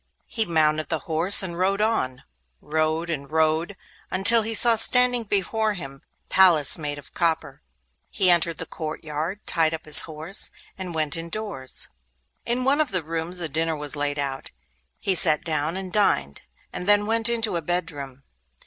He mounted the horse and rode on—rode and rode, until he saw standing before him a palace made of copper. He entered the courtyard, tied up his horse, and went indoors. In one of the rooms a dinner was laid out. He sat down and dined, and then went into a bedroom.